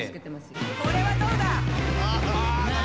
これはどうだ？